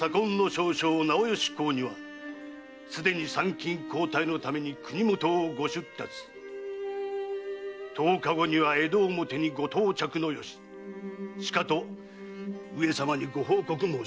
少将直致公にはすでに参勤交代のため国もとをご出立十日後には江戸表にご到着の由しかと上様にご報告申し上げます。